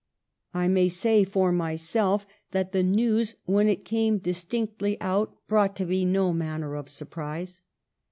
I may say for myself that the news, when it came distinctly out, brought to me no manner of surprise.